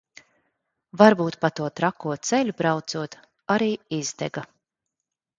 Varbūt pa to trako ceļu braucot arī izdega.